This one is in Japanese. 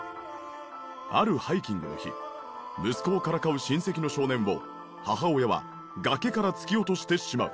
息子をからかう親戚の少年を母親は崖から突き落としてしまう。